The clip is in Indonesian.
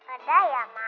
udah ya ma